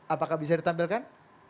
apakah bisa ditampilkan